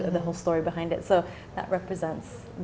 dan itu juga berdasarkan